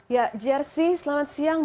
ya jersey selamat siang